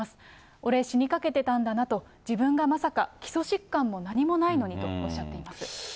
俺、死にかけてたんだなと、自分がまさか基礎疾患も何もないのにとおっしゃっています。